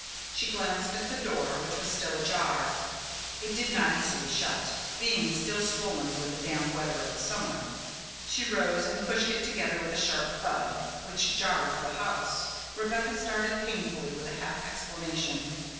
She glanced at the door, which was still ajar; it did not easily shut, being still swollen with the damp weather of the summer. She rose and pushed it together with a sharp thud, which jarred the house. Rebecca started painfully with a half exclamation.